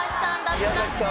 宮崎さん